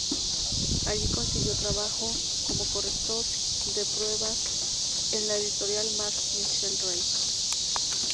Allí consiguió trabajo como corrector de pruebas en la editorial de Marc-Michel Rey.